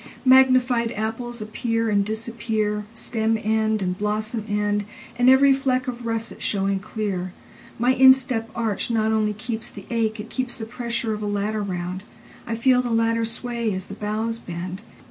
Magnified apples appear and disappear, Stem end and blossom end, And every fleck of russet showing clear.My instep arch not only keeps the ache, It keeps the pressure of a ladder round.I feel the ladder sway as the boughs bend.